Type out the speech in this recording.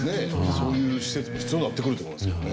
そういう施設も必要になってくると思いますけどね。